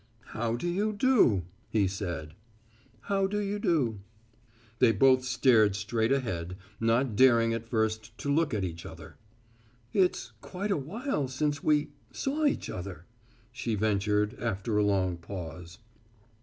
"How do you do!" he said. "How do you do?" They both stared straight ahead, not daring at first to look at each other. "It's quite a while since we saw each other," she ventured after a long pause.